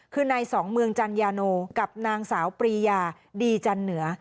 คือนายสองเมืองจัญญาโนกับนางสาวปรียาดีจันเหนือ